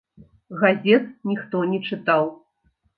Газет ніхто не чытаў.